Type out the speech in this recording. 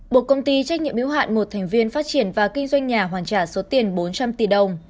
bộ công ty trách nhiệm yếu hạn một thành viên phát triển và kinh doanh nhà hoàn trả số tiền bốn trăm linh tỷ đồng